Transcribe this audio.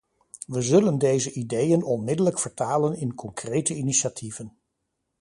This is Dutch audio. We zullen deze ideeën onmiddellijk vertalen in concrete initiatieven.